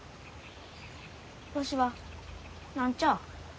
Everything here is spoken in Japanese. わしは何ちゃあ。